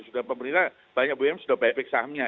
sudah pemerintah banyak bum sudah buyback sahamnya